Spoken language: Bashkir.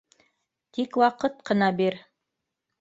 Тик ваҡыт ҡына бир